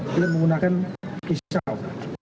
dia menggunakan kisau